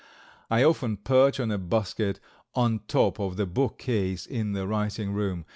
I often perch on a basket on top of the book case in the writing room.